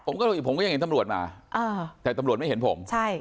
อีกผมก็ยังเห็นตำรวจมาอ่าแต่ตำรวจไม่เห็นผมใช่